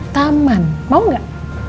taman mau gak